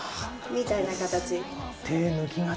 みたいな形。